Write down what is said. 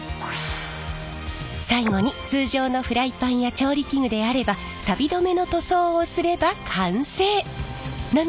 最後に通常のフライパンや調理器具であればさび止めの塗装をすれば完成！なのですが。